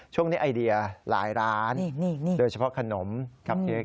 ช่วงนี้ไอเดียหลายร้านโดยเฉพาะขนมกับเค้ก